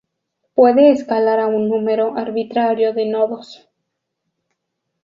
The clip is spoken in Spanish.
Puede escalar a un número arbitrario de nodos.